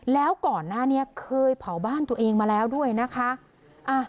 แล้วก่อนหน้านี้เคยเผาบ้านตัวเองมาแล้วด้วยนะคะ